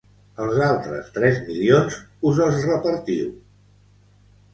Els altres tres milions us els repartiu.